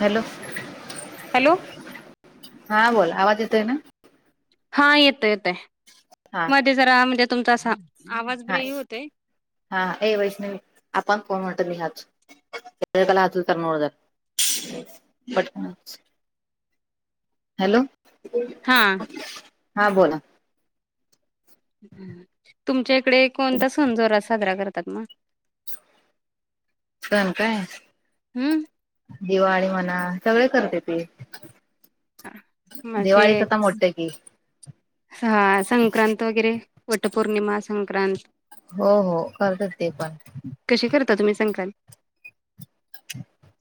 Hello hello हा बोल आवाज येतोय ना हा येत येतय हा मध्ये जरा म्हणजे तुमचा असा आवाज हा बरीेही होतय हा ए वैष्ण आपण कोण वातो मीहाच ला हतार नोडतर हॅलो हा हा बोला तुमच्या इकडे कोणता सनजोरा साजरा करतात मग सण काय हम्म दिवाळी म्हणा सगळे करते ते असे दिवाळीच आता मोठं की ह संक्रांत वगैरे वटपौर्णिमा संक्रांत हो हो करतात ते पण कशी करता तम्ही सांगताल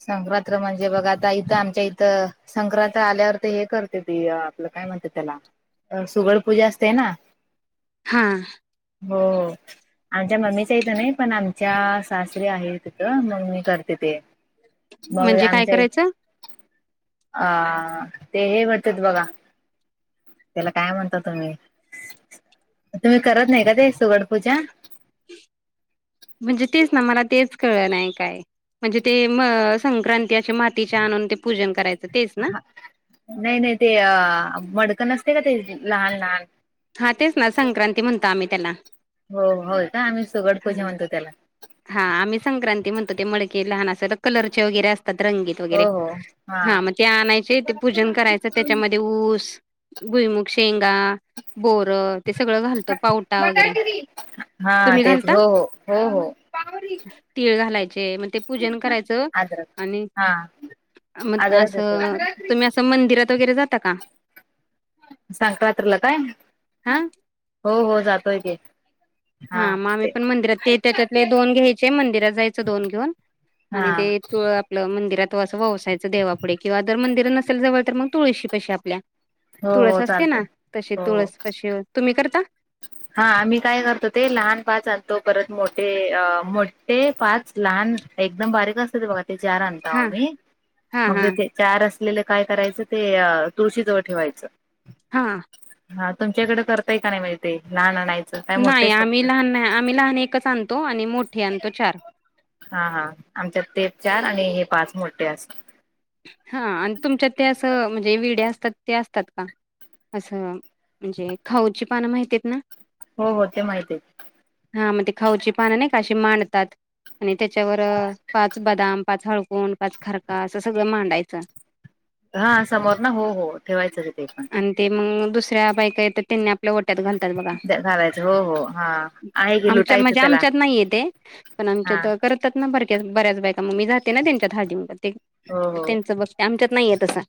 संक्रांत्र म्हणजे बघ आता इथं आमच्या इथं संक्रत आल्यावर ते हे करते ती आपलं काय म्हणते त्याला सुगळ पूजा असते ना हा हम आमच्या मम्मीच्या इथं नाही पण आमच्या सासरी आहेत तिथ मम्मी करते ते मग म्हणजे काय आमच्या करायचं अ ते हे म्हटतात बघा त्याला काय म्हणता तुम्ही तुम्ही करत नाही का ते सुगड पूजा म्हणजे तेच ना मला तेच कळ नाही काय म्हणजे ते म संक्रांती अ मातीच्या आणून ते पूजन करायचं तेच ना नाही नाही ते अ मडकण असते का ते लहान लहान हा तेच ना संक्रांती म्हणतो आम्ही त्याला हो होय का आम्ही सुगट हा पूजा म्हणतो त्याला हा आम्ही संक्रांती म्हणतो ते मळके लहान अस कलरचे वगैरे असतात रंगीत वरे हो हो हा मग ते आणायचे पूजन करायच त्याच्यामध्ये ऊस भुईमुूग शेंगा बोर ते सगळं घालतो पावटा वगैरे हा तुम्ही घाल तेच हो हो हो हो तीळ घालायचे मग ते पूजन करायचं अद्रक आणि हा मग अद्रक असं येतो तुम्ही असं मंदिरात वगैरे जाता का सांकातला काय हा हो हो जातोय ते हा मग आम्ही पण मंदिरात ते त्याच्यातले दोन घ्यायचे मंदिरात जायचं दोन घेऊन हा आणि ते तू आपलं मंदिरात असं व्यवसायचं देवाुढे किंवा जर मंदिर नसेल जवळ तर मग तुळशी पशी आपल्या हो तुळस हो असते चालतय ना तशी हो हो. तुळस पशी तुम्ही करता हा आम्ही काय करतो ते लहान पाच आणतो परत मोठे मो ते पाच लहान एकदम बारीक असते ते बघा चार आणता हा आम्ही हा हा मग चार असले काय करायचं ते तुळशी ठेवाच हा हा तुमच्याकडे करताय का नाही माहि लहान नाही नाही आम्ही लहान नाही आम्ही लहान एकच आणतो आणि मोठे आणतो चार हा हा आमच्यात तेच चार आणि हे पाच मोठे असत हा आणि तुमच्या ते असं म्हणजे विडे असतात ते असतात का असं म्हणजे खाऊची पानं माहिती आहेत ना हो हो ते माहित हा मग ते खाऊची पानं नाही काशी मांडतात आणि त्याच्यावर पाच बदाम पाच हळकण पाच खरका असं सगळं मांडायचं [unintelligible] हा समोर ना हो हो ठेवायचंच ते पण आणि ते मग दुसऱ्या बायका येतात त्यांनी आपल्या ओट्यात घालतात बघा घालायचं हो हो हा आहे की आमच्या लुटायच म्हणजे त्याला आमच्यात नाहीये ते पण आमच्या हा तर करतात ना भरक्या बऱ्याच बायका मम्मीी जाते ना त्यांच्या धादी हो हो त्यांच बघ ते आमच्यात नाहीय तं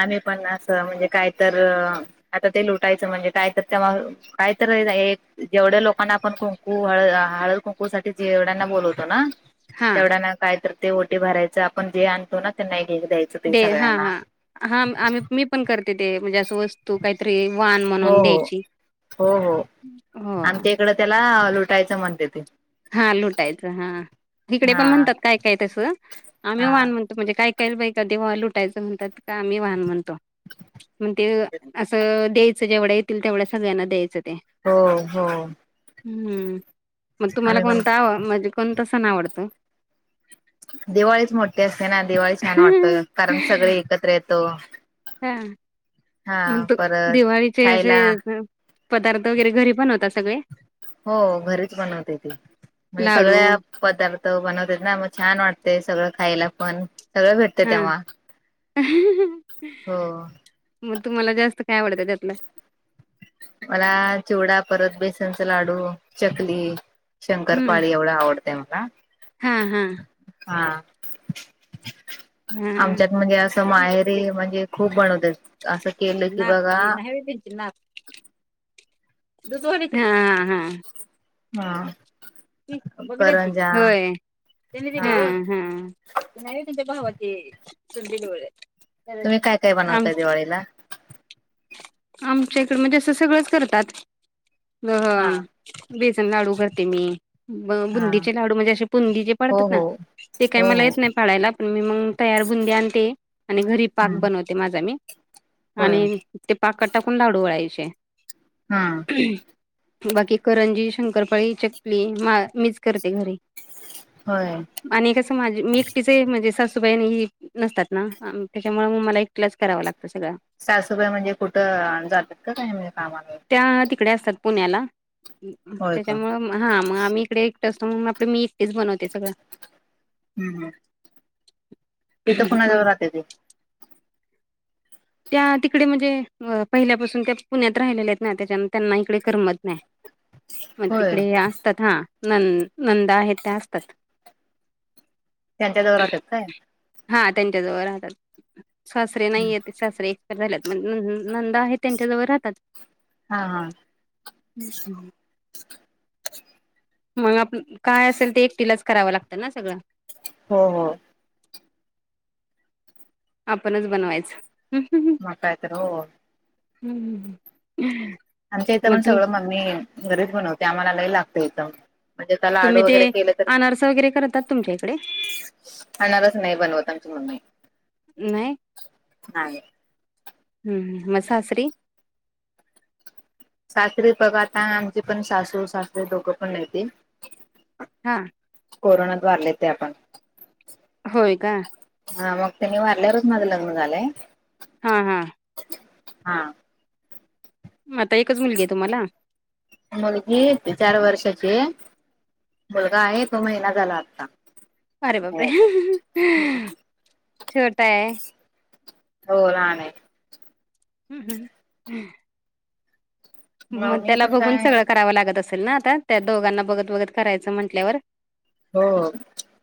आम्ही पण असं म्हणजे काय तर आता ते लुटायच म्हणजे काय तर तेव काय तर जेवढ्या लोकांना आपण कुंकू हळ हळद कुंकू साठी जेवढ्यांना बोलवतो ना हा तेवढ्या ना काय तर ते ओटी भरायचं आपण जे आणतो ना ते नाही घे द्यायचं ते दे हा सगळ्यांना हा हा आमही मी पण करते ते म्हणजे असं वस्तू काहीतरी वान हो म्हणून द्यायची हो तकडं त्याला लुटायचं म्हणते ते हा लुटायचं हा तिकडे हा पण म्हणतात काय काय तसं आम्ही हा वान म्हणतो म्हणजे काय काहील बाई का तेव्हा लुटायचंणतात का आम्ही वाहन म्हणतो मग ते असं द्यायचं जेवढ्या येतील तेवढ्या सगळ्यांना द्यायचं ते हो हो हम्म मग तुम्हाला आम्ही पण कोणत आव म्हणजे कोणत सण आवडतं दिवाळीच मोठी असते ना दिवाळी छान वाटत कारण सगळे एकत्र येतो हां हा मग त परत दिवाळीचे असे खायला पदार्थ वगैरे घरी पण होता सगळे हो घरीच बनवते त म्हणजे लाडू सगळ्या पदार्थ बनवते ना मग छान वाटते सगळं खायला पण सगळं भेटते हां. तेव्हा हो मग तुम्हाला जास्त काय आवडतं त्यातला मला चिवडा परत बेसनचा लाडू चकली शंकरपाळी एवढं आवडतंय मला हा हां हा हां. आमच्यात म्हणजे असं माहेरीे म्हणजे खूप बनवत असं केलं की बघा पिचणार दुधवरीच हा हा हा हा बघ करंजा होय हा नाही त्यांच्या भावती सुंदल वर तुम्ही काय काय हम बनवताय दिवाळीला आमच्या इकडे म्हणजे अस सगळंच करतात हा वेसन लाडू करते मी हा बुंदीचे लाडू म्हणजे असे बुंदीचेे हो पडतात ना हो ते काय हो मला हो येत नाही पाळायला पण मी मग तयार गून द आण ते आणि घरी पाक हम्म बनवते माझा मी होय आणि ते पाक टाकून धाडू वळायचे हा बाकी करंजी शंकरपाळी चकली मा मीच करते घरी होय आणिचं माझ मी एकटीच म्हणजे सासूबाईन ही नसतात ना त्याच्यामुळे मग मला एकलाच करावं लागतं सगळं सासपय म्हणजे कुठं जातात का काय म्हणजे कामाला त्या तिकडे असतात पुण्याला होय का? त्याच्यामुं हा मग आम् इकडेतो मग आप मी एकटेच बनवत हम्म हम् तिथं सगळं कुणाजवळ राहते ते त्या तिकडे म्हणजे पहिल्यापासून ते पुण्यात राहिलेले आहेत ना त्याच्या त्यांना इकडे करमत नाही मग होय तिकडे हे असतात हा न नंद आहेत त्या असतात त्यांच्याजवळ राहतात काय? हा त्यांच्याजवळ राहतात सासरे नाहीयेत सासरे एक्सपायर झालेत म नंदा आहे त्यांच्याजवळ राहतात हा हा ह ह मग आप काय असेल ते एकटीलाच करावं लागतं ना सगळं हो हो आपणच बनवायचं मकायत हम् हम ह आमच्या इथं पण सगळं मम्मी घरीच बनवते आम्हाला लही लागते इथं म्हणजे आता लाडू तुम्ही ते वगैरे केलं तर अनारस वगैरे करतात तुमच्या इकडे आणणारच नाही बनवतची मण्ही नाहीय हम्म म सास्री सासरी बघ आता आमची पण सासू सासरीे दोघं पण नती हा कोरोनात वारले ते आपण होय का हा मग त्यांनी वारल्यावरच माझं लग्न झालंय हा हा हा आता एकच मुलगी आहे तुम्हाला मुलगी येत चार वर्षाची मुलगा आहे तो महिना झाला आत्ता अरे बापरे शेवटताय हो रा नाही हम्म हम्म हम्म मग मी त्याला पण बघून काय सगळं करावं लागत असेल ना आता त्या दोघांना बघत बगत करायचं म्हंटल्यावर हो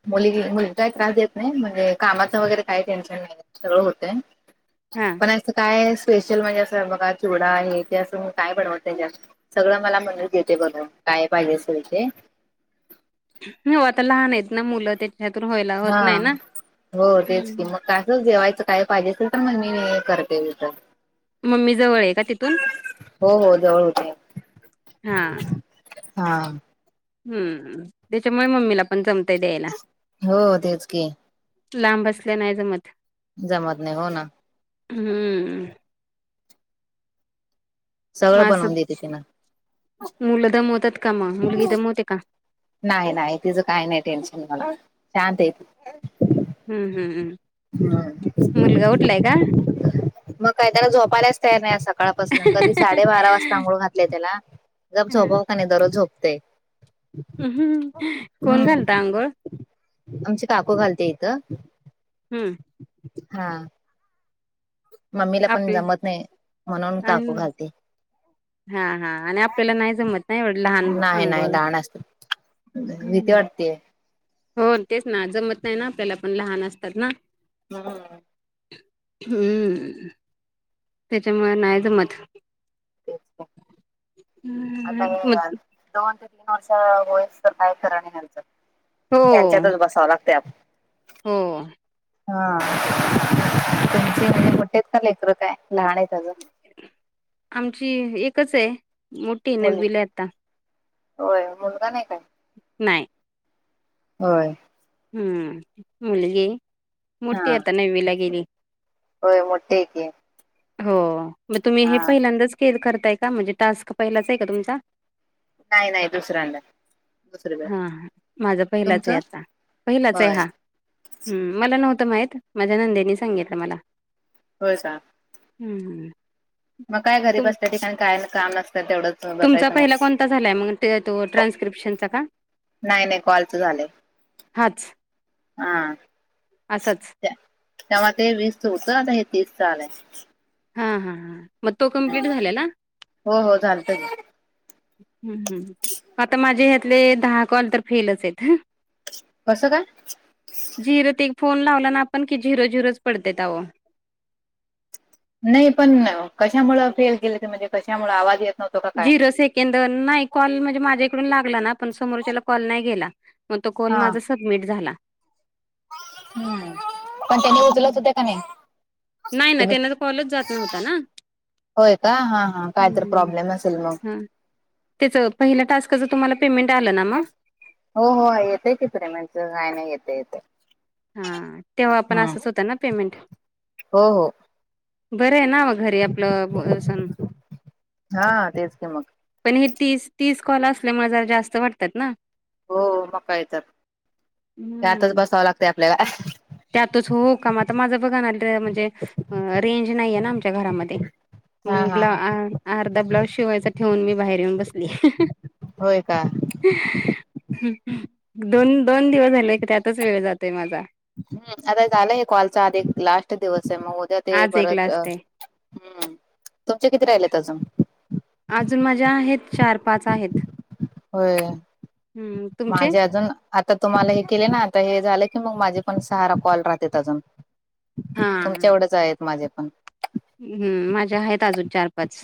मुली मुलग काही त्रास देत नाही म्हणजे कामाचं वगैरे काही टेन्शन नाही तर होते हां. पण काय स्पेशल म्हणजे अस बघा चुवडा आहे ते असं काय बनवत त्यांच्या सगळं मला म्हणत घेते बघं काय पाहिजे स ते हो आता लहान आहेत ना मुलं त्याच्या हतून व्हायला होत नाही ना कसं जेवायचं काय पाहिजे असे तर मण मी करतेथ मम्मी जवळ आहे का तिथून हो हो जवळ होते हा हा हम्म त्याच्यामुळे मम्मीला पण जमत हो तेच की लांब असल्या नाही ज मत जमत नाही हो ना हम्म. मग सगळं असं बनवून देते ति न. मुलं दमवतात का मग मुलगी दमवते का? नाही नाही तिचं काही नाही टेन्शन मला शांत आहे ती. हम्म हम् मुलगा उठलाय का? मग काही त्याला झोपायलाच तयार नाही आज सकाळ पसन कधी साडे बारा वाजता अंघोळ घातल्या त्याला. गप हं. झोपाव का नाही दररोज झोपतय. अ हम कोण हम्म घालत अंघोळ? आमची काकू घालत्या इथं. हम्म हा. मम्मीला आप पण जमत नाही म्हणून आणि काकू घालते. हा हा आणि आपल्याला नाही जमत नाही एवढ लहान बा नाही अंघोळ नाही ला लहान असते. भीती ह्. वाटतेय हो तेच ना जमत नाही ना आपल्याला पण लहान असतात ना. हा. हम्म त्याच्या मुळ नाही जमत. तेच का. आता हे मग दोन ते तीन वर्ष होईस तर काय खर नाही याचं. हो. यांच्यातच बसावं लागतय आप हो. हा तुमचे मी मोठीयेत का लेकर काय लहान आहेत अजुन. आमची एकच आय मोठी मुली. नववीला य आता. होय मुलगा नाही काय. नाही. होय. हम्म मुलगी हा मोठ्ठी आता नववीला गेली. होय मोठ्ठीय की. हो मग तुम्ही हे हा पहिल्यांदाच के करताय का टास्क पहिलाच हाय का तुमचा. नाही नाही दुसऱ्यांदा. दुसरी बाई हा हा माझा पहिलाच आहे तुमचं आता पहिलाच आहे होय हा. हम मला नव्हतं माहीत माझ्या नंदेनी सांगितलं मला. होय का? हम्म हम्म. मग काय घरी तुम बसत्या ती पण काय काम नसताय तेवढंच. तुमचा बसायचं पहिला मग कोणता झालाय मग ते तो ट्रान्स्क्रिप्शनचा का? नाही नाही कॉलच झालंय. हाच. हा. असाच. तेव्हा ते वीसच होतं आता हे तीस च आलंय. हां हां हां मग तो कम्प्लीट झाल्याला. हो हो झालता की हम हम आता माझे ह्यातले दहा कॉल तर फेलच आहेत ह. कसं काय? झिरत एक फोन लावला ना आपण की झिरो झिरोच पडतेत अव. नाही पण कशामुळ फेल केल ते म्हणजे कशामुळे आवाज येत नव्हतो का काय झिरो सेकेंद नाही कॉल म्हणजे माझ्या इकडून लागला ना पण समोरच्याला कॉल नाही गेला. मग तो कॉल हा माझा सबमिट झाला. हम्म पण त्यानी उचलत हम्म. होत्या क नाही. नाही ना तुम्ही त्यांना तर कॉलेज जात नव्हता ना. होय का हा हा काय तर प्रॉब्लेम असेल मग. त्याचं पहिल्या टास्काचं तुम्हाला पेमेंट आलं ना म. हो हो येतेय तिित रे म्हणज काय नाही येते येते. हा तेव्हा आपण हम् असंच होत ना पेमेंट. हो हो बरं आहे ना घरी आपलं सण. हा तेच की मग पण हे तीस तीस कॉल असल्यामुळे जरा जास्त वाटतात ना. हो म काय तर त्यातच हम्म बसावं लागत आपल्याला. त्यातच हो काम आता माझं बघा आले म्हणजे रेंज नाहीये ना आमच्या घरामध्ये. हा मग हा ब्ला अर्धा ब्लाऊज शिवायचा ठेवून होय का दोन दोन दिवस झाले त्यातच वेळ जातोय माझा हम् आता झालंय कॉलचा आध एक लास्ट दिवस आहे मग उद्या ते आज एक बरच अ लास्ट आहे हम्म तुमचे किती राहिले अजून. अजून माझ्या आहेत चार पाच आहेत. होय हम्म तुमचे माझे अजून. आता तुम्हाला हे केले ना आता हे झालं की मग माझे पण सहारा कॉल राहते अजून. हा तुमच्या एवढेच आहेत माझे पण. हम् माझ्या आहेत अजून चार पाच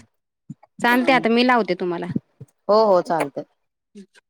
चालते हम्म आता मी लावते तुम्हाला. हो हो चालतय. हच्छ.